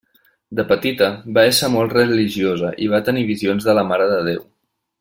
De petita va ésser molt religiosa i va tenir visions de la Mare de Déu.